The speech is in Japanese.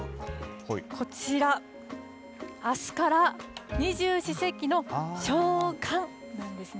こちら、あすから二十四節気の小寒なんですね。